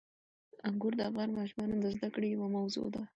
انګور د افغان ماشومانو د زده کړې یوه موضوع ده.